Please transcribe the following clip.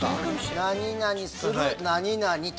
何々する何々と。